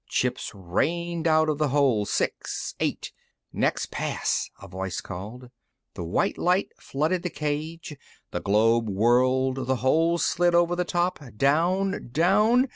Chips rained out of the hole, six, eight.... "Next pass," a voice called. The white light flooded the cage. The globe whirled; the hole slid over the top, down, down....